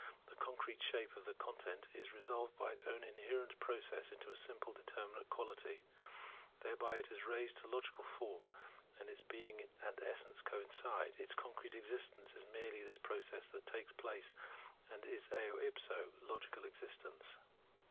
The concrete shape of the content is resolved by its own inherent process into a simple determinate quahty. Thereby it is raised to logical form, and its being and essence coincide ; its concrete existence is merely this process that takes place, and is eo ipso logical existence.